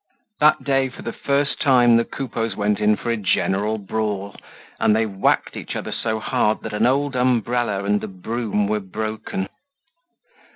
That day, for the first time, the Coupeaus went in for a general brawl, and they whacked each other so hard that an old umbrella and the broom were broken.